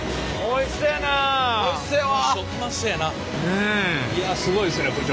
いやすごいっすね部長。